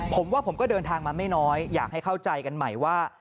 ผมว่าผมก็เดินทางมาไม่น้อยอยากให้เข้าใจกันใหม่ว่า